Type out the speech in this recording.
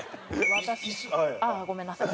私ああごめんなさい。